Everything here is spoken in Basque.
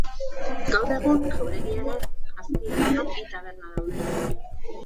Gaur egun, jauregiaren azpialdean bi taberna daude.